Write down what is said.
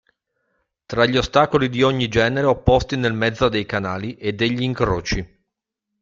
Tra gli ostacoli di ogni genere opposti nel mezzo dei canali e degli incroci.